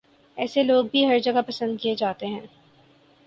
ایسے لوگ بھی ہر جگہ پسند کیے جاتے ہیں